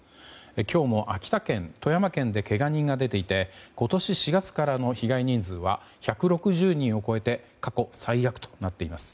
今日も秋田県、富山県でけが人が出ていて今年４月からの被害人数は１６０人を超えて過去最悪となっています。